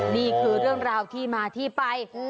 นี่คือเรื่องราวที่มาที่ไป